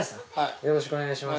よろしくお願いします